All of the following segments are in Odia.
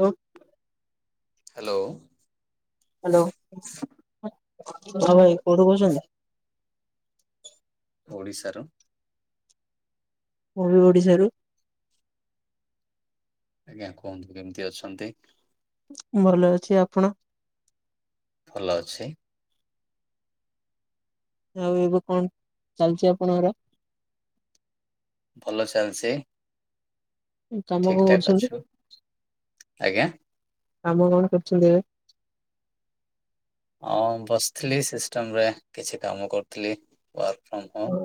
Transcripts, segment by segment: ହଉ ହ୍ୟାଲୋ। ହ୍ୟାଲୋ ହଁ ଭାଇ କୋଉଠୁ କହୁଛନ୍ତି? ଓଡିଶାରୁ। ମୁଁ ବି ଓଡ଼ିଶାରୁ। ଆଜ୍ଞା କୁହନ୍ତୁ କେମିତି ଅଛନ୍ତି? ଭଲ ଅଛି ଆପଣ? ଭଲ ଅଛି। ଆଉ ଏବେ କଣ ଚାଲିଛି ଆପଣଙ୍କର। ଭଲ ଚାଲଛି କାମ କଣ ଠିକ ଠାକ୍ କରୁଛନ୍ତି ଅଛୁ ଆଜ୍ଞା। କାମ କଣ କରୁଛନ୍ତି ଏବେ? ଆଉ ବସିଥିଲି ସିଷ୍ଟମ ରେ କିଛି କାମ କରୁଥିଲି work from home-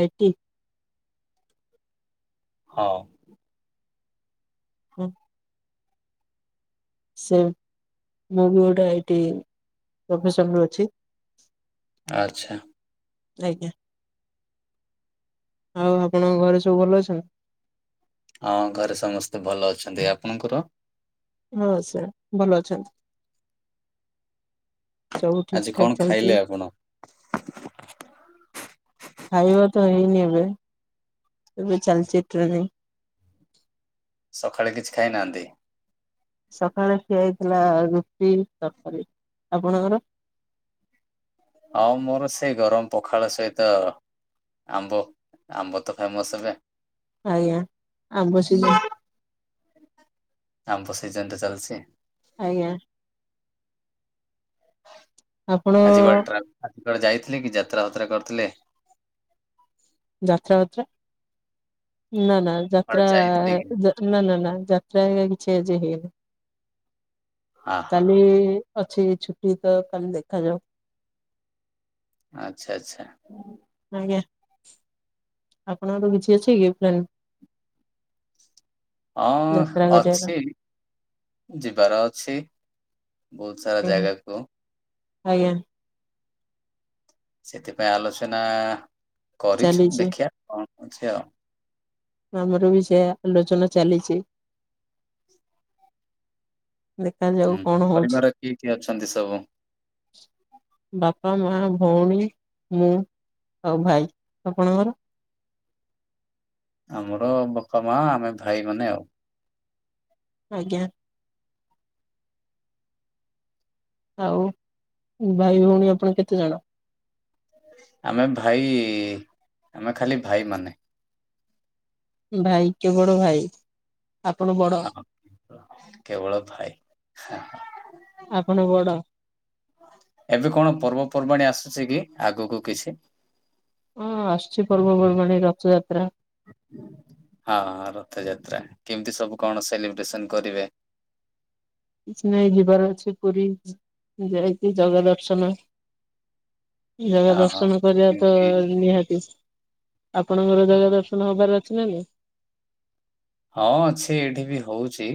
I T? ହଁ। ଓହ। ସେ ମୁଁ ବି ଗୋଟେ ଆଇ ଟି ପ୍ରଫେସନ୍ ରେ ଅଛି। ଆଚ୍ଛା। ଆଜ୍ଞା ଆଉ ଆପଣଙ୍କ ଘରେ ସବୁ ଭଲ ଅଛନ୍ତି? ହଁ ଘରେ ସମସ୍ତେ ଭଲ ଅଛନ୍ତି ଆପଣଙ୍କର? ହଁ ସେ ଭଲ ଅଛନ୍ତି। ସବୁ ଠିକ ଆଜି କଣ ଠାକ ଖାଇଲେ ଚାଲିଚି। ଆପଣ? ଖାଇବା ତ ହେଇନି ଏବେ ଏବେ ଚାଲିଛି ଟ୍ରେନିଙ୍ଗ ସଖାଳେ କିଛି ଖାଇନାହାନ୍ତି? ସକାଳେ ଖିଆ ହେଇଥିଲା ରୁଟି ତରକାରୀ। ଆପଣଙ୍କର? ଆଉ ମୋର ସେଇ ଗରମ ପଖାଳ ସହିତ- ଆମ୍ବ ଆମ୍ବ ତ ଫେମସ ଏବେ- ଆଜ୍ଞା ଆମ୍ବ ସିଜ ଆମ୍ବ ସିଜନ ଟା ଚାଲିଛି। ଆଜ୍ଞା ଆଜି ଆପଣ କୁଆଡେ ଟ୍ରାଭେଲ କରିବାକୁ ଯାଇଥିଲେ କି ଯାତ୍ରା ଫାତ୍ରା କରିଥିଲେ? ଯାତ୍ରା ଫାତ୍ରା ନା ନା କୁଆଡେ ଯାତ୍ରା ଯାଇଥିଲେ କି? ନା ନା ନା ଯାତ୍ରା ହେରିକା କିଛି ଆଜି ହେଇନି। ହଁ ହଁ କାଲି ଅଛି ଛୁଟି ତ କାଲି ଦେଖାଯାଉ। ଆଚ୍ଛା ଆଚ୍ଛା ଆଜ୍ଞା ଆପଣଙ୍କର କିଛି ଅଛି କି ପ୍ଲାନ୍। ଯାତ୍ରା ହଁ କରିବାର? ଅଛି ଯିବାର ଅଛି। ବହୁତ ସାରା ଆଜ୍ଞା ଜାଗାକୁ ଆଜ୍ଞା। ସେଥିପାଇଁ ଆଲୋଚନା କରିଛୁ ଚାଲିଛି ଦେଖିବା କଣ ହଉଛି ଆଉ। ଆମର ବି ସେଇ ଆଲୋଚନା ଚାଲିଛି। ଦେଖାଯାଉ ହୁଁ କଣ ହଉଛି। ପରିବାର କିଏ କିଏ ଅଛନ୍ତି ସବୁ? ବାପା ମା ଭଉଣୀ ମୁଁ ଆଉ ଭାଇ ଆପଣଙ୍କର? ଆମର ବାପା ମା ଆମେ ଭାଇ ମାନେ ଆଉ। ଆଜ୍ଞା। ଆଉ ଭାଇ ଭଉଣୀ ଆପଣ କେତେ ଜଣ? ଆମେ ଭାଇ ଆମେ ଖାଲି ଭାଇମାନେ। ଭାଇ କେବଳ ଭାଇ ଆପଣ ବଡ ହଁ। କେବଳ ଭାଇ। ଆପଣ ବଡ ଏବେ କଣ ପର୍ବପର୍ବାଣି ଆସୁଛି କି ଆଗକୁ କିଛି? ହଁ ଆସୁଛି ପର୍ବପର୍ବାଣି ରଥଯାତ୍ରା ହଁ ହଁ ରଥଯାତ୍ରା କେମିତି ସବୁ କଣ ସେଲିବ୍ରେସନ କରିବେ? କିଛି ନାଇଁ ଯିବାର ଅଛି ପୁରୀ ଯାଇକି ଜଗା ଦର୍ଶନ। ହଁ ଜଗା ହଁ। ଦର୍ଶନ କରିବା ତ କେମିତି? ନିହାତି। ଆପଣଙ୍କର ଜଗା ଦର୍ଶନ ହବାର ଅଛି ନାଇଁ? ହଁ ଅଛି ଏଇଠି ବି ହଉଛି।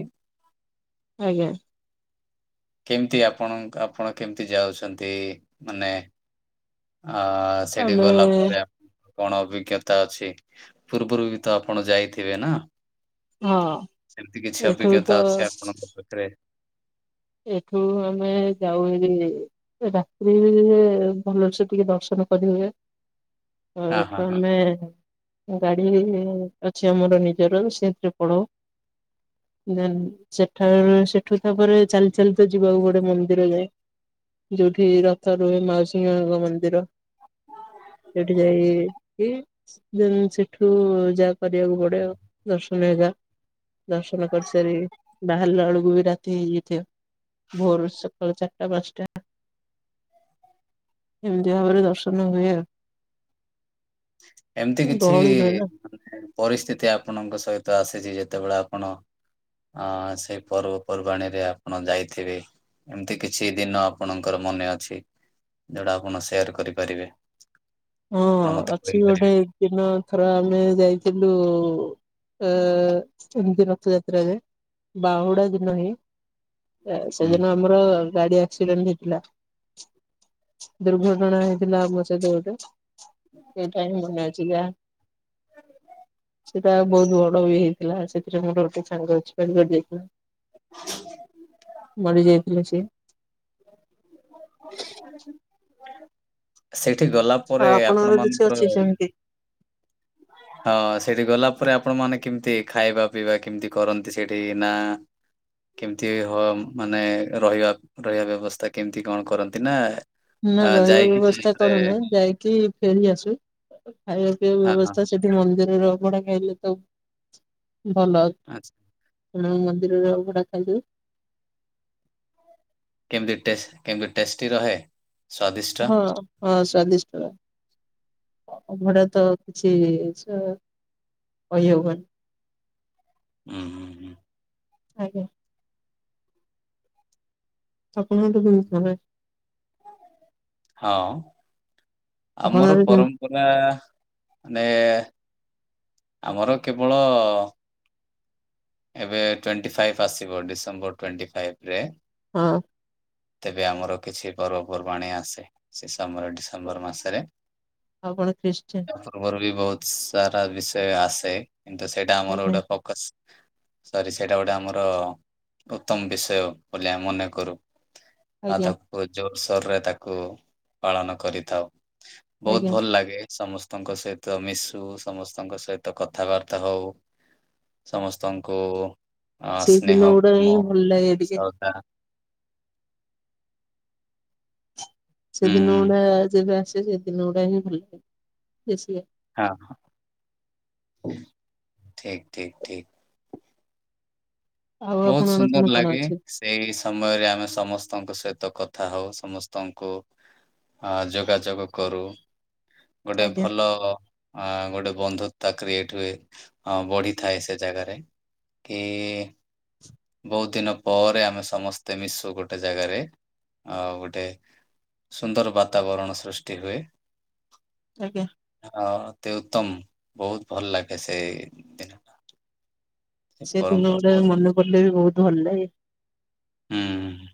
ଆଜ୍ଞା। କେମିତି ଆପଣ ଆପଣ କେମିତି ଯାଉଛନ୍ତି ମାନେ ଆ ସେଠି ଆମେ ଗଲା ପରେ ଆ କଣ ଅଭିଜ୍ଞତା ଅଛି ପୂର୍ବରୁ ବି ତ ଆପଣ ଯାଇଥିବେ ନା? ହଁ ସେମିତି କିଛି ଏଠୁ ତ ଅଭିଜ୍ଞତା ଅଛି ଆପଣଙ୍କ ପାଖରେ ଏଠୁ ଆମେ ଯାଉ ଏ ରାତ୍ରିରେ ଭଲସେ ଟିକେ ଦର୍ଶନ କରି ହୁଏ। ହଁ ହଁ ଏଠୁ ହଁ ଆମେ ଗାଡି ଅଛି ଆମର ନିଜର ସେଥିରେ ପଳାଉ। ଦେନ୍ ସେଠାରୁ ସେଠୁ ତାପରେ ଚାଲି ଚାଲି ତ ଯିବାକୁ ପଡେ ମନ୍ଦିର ଯାଏ। ଯୋଉଠି ରଥ ରୁହେ ମାଉସିମାଙ୍କ ମନ୍ଦିର। ସେଠି ଯାଇକି ସେଠୁ ଯାହା କରିବାକୁ ପଡିବ ଦର୍ଶ [unintelligible] ଦର୍ଶନ କରିସାରିକି ବାହାରିଲା ବେଳକୁ ବି ରାତି ହେଇଯାଇଥିବ। ଭୋରୁ ସକାଳ ଚାରିଟା ପାଞ୍ଚଟା ଏମିତି ଭାବରେ ଦର୍ଶନ ହୁଏ ଆଉ। ଏମିତି କିଛି ଗହଳି ରୁହେ ନା ମାନେ ପରିସ୍ଥିତି ଆପଣଙ୍କ ସହିତ ଆସିଛି ଯେତେବେଳେ ଆପଣ ହଁ ସେଇ ପର୍ବପର୍ବାଣିରେ ଆପଣ ଯାଇଥିବେ। ଏମିତି କିଛି ଦିନ ଆପଣଙ୍କର ମନେ ଅଛି ଯୋଉଟା ଆପଣ ସେୟାର କରିପାରିବେ। ହଁ ଆପଣ ମତେ ଅଛି ଗୋଟେ କହିପାରିବେ ଦିନ ଥରେ ଆମେ ଯାଇଥିଲୁ ଅ ଏମିତି ରଥ ଯାତ୍ରାରେ ବାହୁଡା ଦିନହି ହୁଁ। ସେଦିନ ଆମର ଗାଡି ଆକ୍ସିଡେଣ୍ଟ ହେଇଥିଲା। ଦୁର୍ଘଟଣା ହେଇଥିଲା ଆମ ସହିତ ଗୋଟେ। ସେଇଟାହିଁ ମନେ ଅଛିି ଯା ସେ ଟା ବହୁତ ବଡ ବି ହେଇଥିଲା ସେଥିରେ ମୋର ଗୋଟେ ସାଙ୍ଗ ଅଛି [unintelligible] ଯାଇଥିଲା। ମରି ଯାଇଥିଲା ସେ। ସେଇଠି ଗଲା ପରେ ଆଉ ଆପଣଙ୍କର ଆପଣ କିଛି ଅଛି ମାନଙ୍କର ସେମିତି? ହଁ ସେଠି ଗଲା ପରେ ଆପଣ ମାନେ କେମିତି ଖାଇବା ପିଇବା କେମିତି କରନ୍ତି ସେଠି ନା କେମିତି ହ ମାନେ ରହିବା ରହିବା ବ୍ୟବସ୍ଥା କେମିତି କଣ କରନ୍ତି ନା ନା ଆ ରହିବା ଯାଇକି ପୁଣି ବ୍ୟବସ୍ଥା ଥରେ କରୁନି ଯାଇକି ଫେରି ଆସୁ ଖାଇବା ପିଇବା ହଁ ହଁ ବ୍ୟବସ୍ଥା ହଁ, ସେଠ ମନ୍ଦିରର ଅଭଡା ଖାଇଲେ ତ ଭଲ ଆଉ। ଆଚ୍ଛା। [unintelligible] ମନ୍ଦିର ର ଅଭଡା [unintelligible] କେମିତି କେମିତି ଟେଷ୍ଟି ରହେ? ସ୍ଵାଦିଷ୍ଟ ହଁ ହଁ ସ୍ଵାଦିଷ୍ଟ ରହେ। ଅଭଡା ତ କିଛି ଇଛା କହିହବନି। ହୁଁ ହୁଁ ହୁଁ। ଆଜ୍ଞା। ଆପଣଙ୍କୁ ବହୁତ ଭଲ ଲାଗେ। ହଁ ଆମର ଆପଣଙ୍କର କେମିତି ପରମ୍ ପୁରା ମାନେ ଆମର କେବଳ ଏବେ ଟ୍ୱେଣ୍ଟି ଫାଇଭ୍ ଆସିବ ଡିସେମ୍ବର ଟ୍ୱେଣ୍ଟି ଫାଇପ୍ ରେ ହଁ। ତେବେ ଆମର କିଛି ପର୍ବପର୍ବାଣି ଆସେ ସେ ସମୟ ଡିସେମ୍ବର ମାସରେ ଆପଣ ଖ୍ରୀଷ୍ଟିୟାନ୍? ତା ପୂର୍ବରୁ ବି ବହୁତ ସାରା ବିଷୟ ଆସେ କିନ୍ତୁ ସେଇଟା ଆମର ଆଜ୍ଞା ଗୋଟେ ଫୋକସ ସରି ସେଇଟା ଗୋଟେ ଆମର ଉତ୍ତମ ବିଷୟ ବୋଲି ଆମେ ମନେ କରୁ। ଆଉ ଆଜ୍ଞା ତାକୁ ଜୋରସୋର ରେ ତାକୁ ପାଳନ କରିଥାଉ ବହୁତ ଆଜ୍ଞା। ଭଲ ଲାଗେ। ସମସ୍ତଙ୍କ ସହିତ ମିଶୁ ସମସ୍ତଙ୍କ ସହିତ କଥାବାର୍ତ୍ତା ହଉ। ସମସ୍ତଙ୍କୁ ଅ ସେଇ ସ୍ନେହ ଦିନ ଗୁଡା ପ୍ରେମ ହିଁ ଭଲ ଲାଗେ ଟିକେ। ଶ୍ରଦ୍ଧା ହୁଁ ସେଦିନ ହୁଁ ଗୁଡା ଯେବେ ଆସେ ସେଦିନ ଗୁଡା ହିଁ ଭଲ ଲାଗେ ବେଶ ହଁ ହଁ ଠିକ ଠିକ ଠିକ। ଆଉ ବହୁତ ଆପଣଙ୍କର କଣ ସୁନ୍ଦର କଣ ଲାଗେ। ଅଛି? ସେଇ ସମୟରେ ଆମେ ସମସ୍ତଙ୍କ ସହିତ କଥା ହଉ ସମସ୍ତଙ୍କୁ ଆ ଯୋଗାଯୋଗ କରୁ ଗୋଟେ ଆଜ୍ଞା ଭଲ ଅ ଗୋଟେ ବନ୍ଧୁତା କ୍ରିଏଟ ହୁଏ ହ ବଢିଥାଏ ସେ ଜାଗାରେ। କି ବହୁତ ଦିନ ପରେ ଆମେ ସମସ୍ତେ ମିଶୁ ଗୋଟେ ଜାଗାରେ ଆଉ ଗୋଟେ ସୁନ୍ଦର ବାତାବରଣ ସୃଷ୍ଟି ହୁଏ। ଆଜ୍ଞା। ହଁ ଅତି ଉତ୍ତମ ବହୁତ ଭଲ ଲାଗେ ସେଇ ଦିନ। ସେ ଦିନ ପରମ୍ପରା ଗୁଡା ବହୁତ ମନେ ପଡିଲେ ବି ବହୁତ ଭଲ ଲାଗେ। ହୁଁଁ।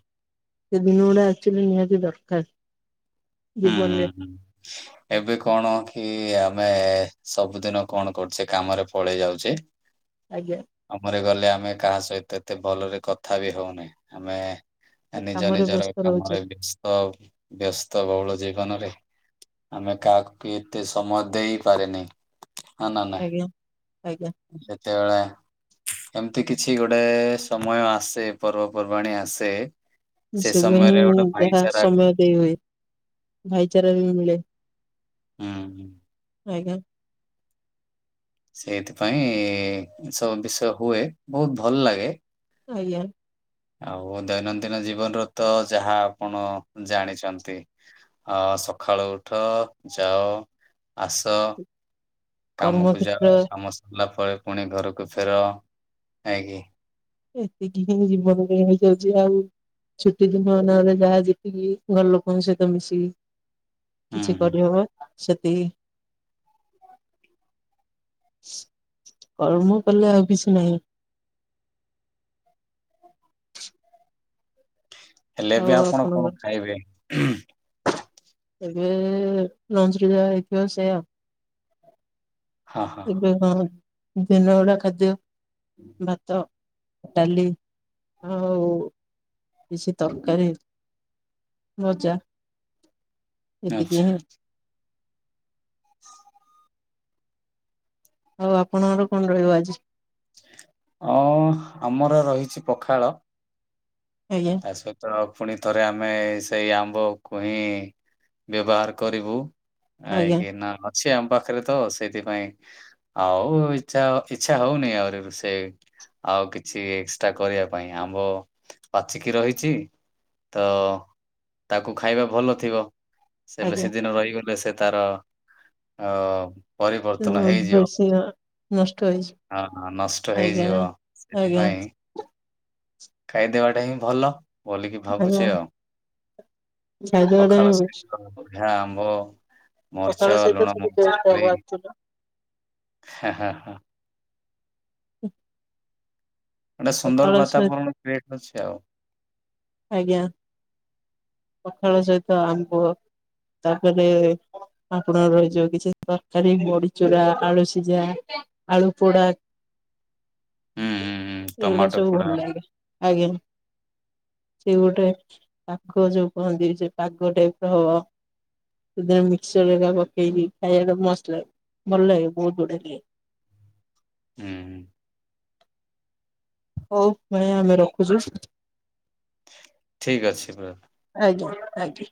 ସେ ଦିନ ଗୁଡା ଆକ୍ଚୁଆଲି ନିହାତି ଦରକାର। ହୁଁ ଜୀବନରେ ହୁଁ ହୁଁ। [inaudible] ଏବେ କଣ କି ଆମେ ସବୁଦିନ କଣ କରୁଛେ କାମରେ ପଳେଇ ଯାଉଛେ ଆଜ୍ଞା। କାମରେ ଗଲେ ଆମେ କାହା ସହିତ ଏତେ ଭଲରେ କଥା ବି ହଉନେ ଆମେ ନିଜ କାମରେ ନିଜର ବ୍ୟସ୍ତ ରହୁଛେ। କାମରେ ବ୍ୟସ୍ତ ବ୍ୟସ୍ତ ବ୍ୟସ୍ତ ବହୁଳ ଜୀବନରେ ଆମେ କାହାକୁ ବି ଏତେ ସମୟ ଦେଇ ପାରେନି। ଆଜ୍ଞା ଆଜ୍ଞା। ସେତେବେଳେ ଏମିତି କିଛି ଗୋଟେ ସମୟ ଆସେ ପର୍ବପର୍ବାଣି ଆସେ ସେ ସେବେ ହିଁ ସମୟରେ ଗୋଟେ ଯାହା ଭାଇଚାରା ସମୟ ଦେଇ ହୁଏ ଭାଇଚାରା ବି ମିଳେ ହୁଁ ହୁଁ। ଆଜ୍ଞା। ସେଇଥିପାଇଁ ସବୁ ବିଷୟ ହୁଏ ବହୁତ ଭଲ ଲାଗେ। ଆଜ୍ଞା। ଆଉ ଦୈନଦିନ ଜୀବନର ତ ଯାହା ଆପଣ ଜାଣିଛନ୍ତି। ଆ ସକାଳୁ ଉଠ ଯାଅ ଆସ। କାମକୁ କର୍ମକ୍ଷେତ୍ର ଯାଅ କାମ ସରିଲା ପରେ ପୁଣି ଘରକୁ ଫେର ନାଇଁ କିି। ଏତିକି ହିଁ ଜୀବନରେ ହେଇ ଯାଉଛି ଆଉ। ଛୁଟି ଦିନ ମାନଙ୍କରେ ଯାହା ଯେତିକି ଘର ଲୋକଙ୍କ ସହିତ ମିଶିକି। ହୁଁ କିଛି ହୁଁ କରିହବ ସେତିିକି। କର୍ମ କଲେ ଆଉ କିଛି ନାହିଁ। ହେଲେ ଆଉ ବି ଆପଣ କଣ ଆପଣଙ୍କର ଖାଇବେ। ଏବେ ଲଞ୍ଚରେ ଯାହା ହେଇଥିବ ସେଇଆଉ। ଏବେ ହଁ ଦିନ ଗୁଡା ଖାଦ୍ୟ। ହୁଁ ଭାତ ଡାଲି ଆଉ। କିଛି ତରକାରୀ ଭଜା। ଏତିକି ଆଚ୍ଛା ହିଁ। ଆଉ ଆପଣଙ୍କର କଣ ରହିବ ଆଜି। ହଁ ଆମର ରହିଛି ପଖାଳ। ଆଜ୍ଞା। ସେତ ପୁଣି ଥରେ ଆମେ ସେଇ ଆମ୍ବକୁ ହିଁ ବ୍ୟବହାର କରିବୁ। କାହିଁ ଆଜ୍ଞା କିନା ଅଛି ଆମ ପାଖରେ ତ ସେଇଥିପାଇଁ। ଆଉ ଇଛା ଇଛା ହଉନି ଆହୁରି ସେ। ଆଉ କିଛି ଏକ୍ସଟ୍ରା କରିବା ପାଇଁ ଆମ୍ବ। ପାଚିକି ରହିଛି ତ ତାକୁ ଖାଇବା ଭଲ ଥିବ। ସେ ଆଜ୍ଞା ବେଶୀ ଦିନ ରହିଗଲେ ସେ ତାର ଅ ପରିବର୍ତ୍ତନ ହଁ ହେଇଯିବ। ବେଶୀ ନଷ୍ଟ ହେଇଛି ହଁ ହଁ ନଷ୍ଟ ଆଜ୍ଞା ହେଇଯିବ ଆଜ୍ଞା ସେଥିପାଇଁ। ଖାଇଦବା ଟା ହିଁ ଭଲ। ବୋଲି କି ଭାବୁଛି ଆଜ୍ଞା ଆଉ ଖାଇବାଟା ପଖାଳ ସହିତ। ଏହା ଆମ୍ବ ମରିଚ ପଖାଳ ସହିତ ଲୁଣ ସେଠି ବେଷ୍ଟ ହବ ଚକଟିକି। ଆକ୍ଚୁଆଲି ହଁ-ହଁ-ହଁ। ହୁଁ। ଗୋଟେ ସୁନ୍ଦର ବାତାବରଣ କ୍ରିଏଟ ଅଛି ଆଉ। ଆଜ୍ଞା ପଖାଳ ସହିତ ଆମ୍ବ ତାପରେ ଆପଣଙ୍କର ରହିଚି ଯୋଉ କିଛି ତରକାରୀ ବଡିଚୁରା ଆଳୁ ସିଝା। ଆଳୁ ପୋଡା ହୁଁ ହୁଁ ହୁଁ ଏଗୁଡା ଟମାଟୋ ସବୁ ପୋଡା ଭଲ ଲାଗେ ଆଜ୍ଞା। ସେ ଗୋଟେ ପାଗ ଯୋଉ କହନ୍ତି ସେ ପାଗ ଟାଇପ ର ହବ। ସେଥିରେ ମିକ୍ସଚର ହେରିକା ପକେଇକି ଖାଇବାଟା ମସ୍ତ ଲାଗେ ଭଲ ଲାଗେ ବହୁତ ବଢିଆ ଲାଗେ। ହୁଁ ହୁଁ। ହଉ ବଢିଆ ହେଲା ରଖୁଚି। ଠିକ୍ ଅଛି। [inaudible] ଆଜ୍ଞା ଆଜ୍ଞା।